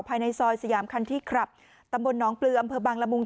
ภายในซอยสยามคันที่คลับตำบลน้องปลืออำเภอบางละมุง